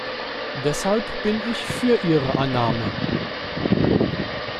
Deshalb bin ich für ihre Annahme.